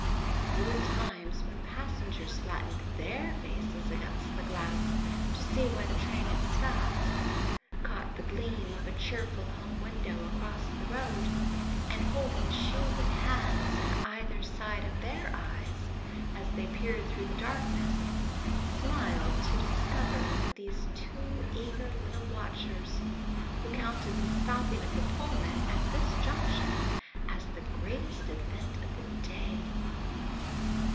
There were times when passengers flattening their faces against the glass to see why the train had stopped, caught the gleam of a cheerful home window across the road, and holding shielding hands at either side of their eyes, as they peered through the darkness, smiled to discover those two eager little watchers, who counted the stopping of the Pullman at this Junction as the greatest event of the day.